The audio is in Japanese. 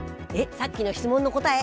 さっきの質問の答え？